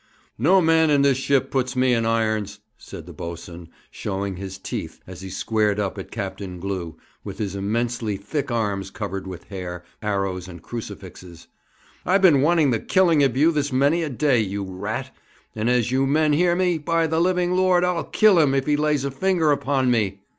'No man in this ship puts me in irons,' said the boatswain, showing his teeth, as he squared up at Captain Glew, with his immensely thick arms covered with hair, arrows and crucifixes. 'I've been wanting the killing of you this many a day, you rat! and, as you men hear me, by the living Lord, I'll kill him if he lays a finger upon me!'